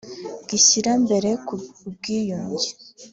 gishyira imbere ubwiyunge